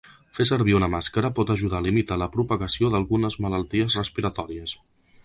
Fer servir una màscara pot ajudar a limitar la propagació d’algunes malalties respiratòries.